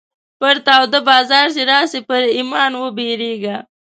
پر تا وده بازار چې راسې ، پر ايمان وبيرېږه.